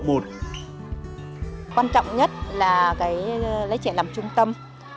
quan trọng nhất là lấy trẻ làm trung tâm